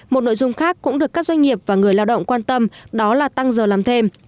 một nội dung khác cũng được các doanh nghiệp và người lao động quan tâm đó là tăng giờ làm thêm